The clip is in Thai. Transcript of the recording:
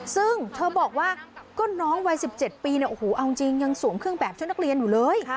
ซึ่งเธอบอกว่าก็น้องวัย๑๗ปีเนี่ยโอ้โหเอาจริงยังสวมเครื่องแบบชุดนักเรียนอยู่เลย